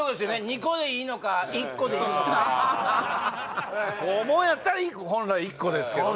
２個でいいのか１個でいいのか肛門やったら本来１個ですけどね